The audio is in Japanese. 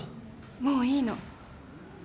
もういいの。